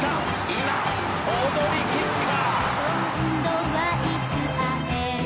今踊りきった！］